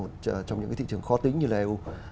một trong những cái thị trường khó tính như là eu